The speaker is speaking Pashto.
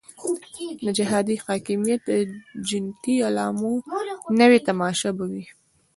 د جهادي حاکمیت د جنتي علایمو نوې تماشه به وي.